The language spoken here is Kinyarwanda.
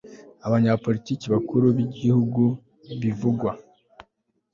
abanyapolitiki bakuru b Igihugu bivugwa